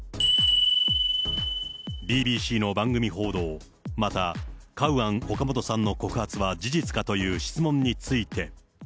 ＢＢＣの番組報道、また、カウアン・オカモトさんの告発は事実かという質問について。